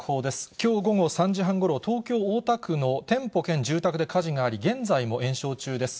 きょう午後３時半ごろ、東京・大田区の店舗兼住宅で火事があり、現在も延焼中です。